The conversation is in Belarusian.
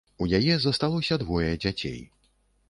У яе засталося двое дзяцей.